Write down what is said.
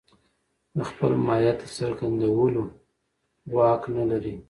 د خپل ماهيت د څرګندولو واک نه لري.